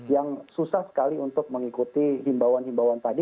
yang susah sekali untuk mengikuti himbauan himbauan tadi